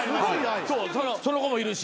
そうその子もいるし。